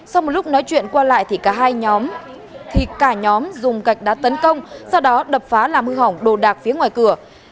sau một lúc nói chuyện qua lại thì cả nhóm dùng gạch đá tấn công sau đó đập phá làm hư hỏng đồ đạc phía ngoài cửa